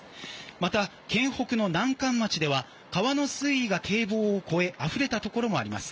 また、県北の南関町では川の水位が堤防を越えあふれたところもあります。